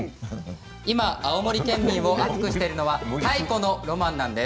今青森県民を熱くしているのが太古のロマンなんです。